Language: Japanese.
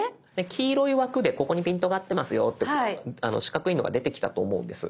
黄色い枠で「ここにピントが合ってますよ」って四角いのが出てきたと思うんです。